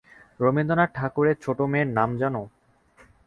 রবীন্দ্রনাথ ঠাকুরের ছোট মেয়ের নাম জান?